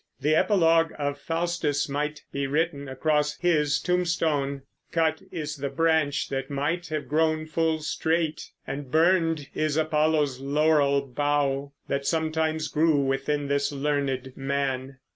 The Epilogue of Faustus might be written across his tombstone: Cut is the branch that might have grown full straight, And burned is Apollo's laurel bough That sometime grew within this learnéd man.